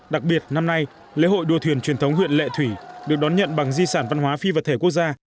đặc biệt năm nay lễ hội đua thuyền truyền thống huyện lệ thủy được đón nhận bằng di sản văn hóa phi vật thể quốc gia